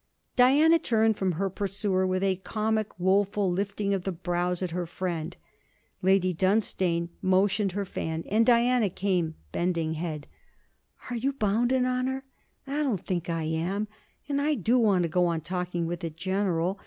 Diana turned from her pursuer with a comic woeful lifting of the brows at her friend. Lady Dunstane motioned her fan, and Diana came, bending head. 'Are you bound in honour?' 'I don't think I am. And I do want to go on talking with the General.